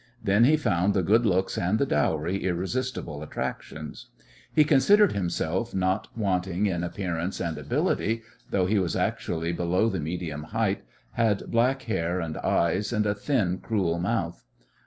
Then he found the good looks and the dowry irresistible attractions. He considered himself not wanting in appearance and ability, though he was actually below the medium height, had black hair and eyes, and a thin, cruel mouth.